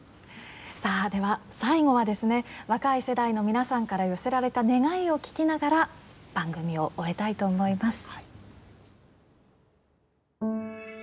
さあ、では最後は若い世代の皆さんから寄せられた願いを聞きながら番組を終えたいと思います。